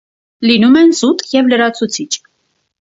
Լինում են զուտ և լրացուցիչ։